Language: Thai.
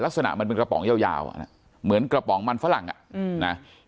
ลักษณะมันเป็นกระป๋องยาวเหมือนกระป๋องมันฝรั่งอ่ะนะ